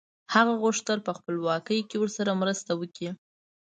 هغه غوښتل په خپلواکۍ کې ورسره مرسته وکړي.